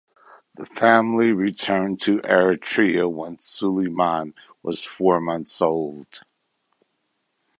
The family returned to Eritrea when Sulieman was four months old.